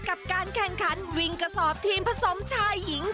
กับการแข่งขันวิ่งกระสอบทีมผสมชายหญิง